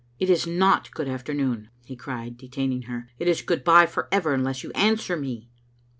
'•It is not good afternoon," he cried, detaining her, " It is good bye for ever, unless you answer me."